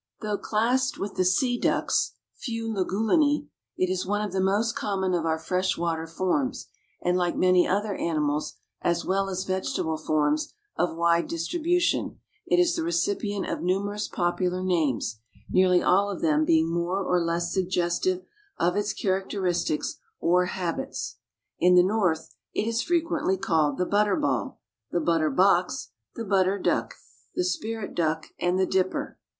Though classed with the "sea ducks" (Fuligulinae) it is one of the most common of our fresh water forms, and, like many other animals, as well as vegetable forms, of wide distribution, it is the recipient of numerous popular names, nearly all of them being more or less suggestive of its characteristics or habits. In the North it is frequently called the Butter ball, the Butter box, the Butter duck, the Spirit duck and the Dipper.